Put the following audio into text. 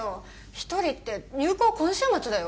一人って入稿今週末だよ